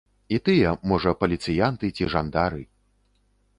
І тыя, можа, паліцыянты ці жандары.